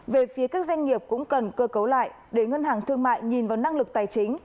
về phía các doanh nghiệp cũng cần cơ cấu lại để ngân hàng thương mại nhìn vào năng lực tài chính